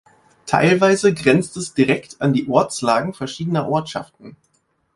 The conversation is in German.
Teilweise grenzt es direkt an die Ortslagen verschiedener Ortschaften.